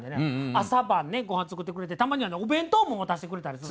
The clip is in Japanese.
朝晩ね御飯作ってくれてたまにはねお弁当も持たしてくれたりする。